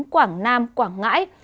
quảng nam quảng ngãi